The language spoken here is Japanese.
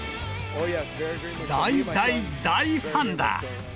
大、大、大ファンだ。